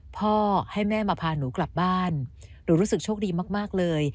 พ่อแม่มาพาหนูกลับบ้านหนูรู้สึกโชคดีมากเลย